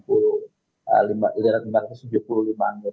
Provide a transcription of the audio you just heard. delapan puluh delapan persen ini kurang dari untuk mengajukan hak angkat